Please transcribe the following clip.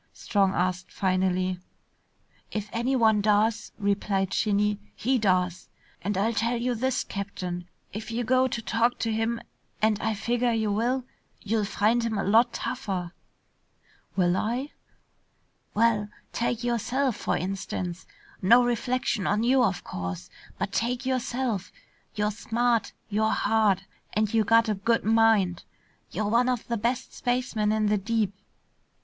Strong asked finally. "If anyone does," replied Shinny, "he does. And I'll tell you this, Captain, if you go to talk to him and I figger you will, you'll find him a lot tougher." "Will I?" "Well, take yourself, for instance. No reflection on you, of course, but take yourself. You're smart, you're hard, and you got a good mind. You're one of the best spacemen in the deep.